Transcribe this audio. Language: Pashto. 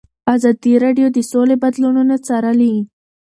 ازادي راډیو د سوله بدلونونه څارلي.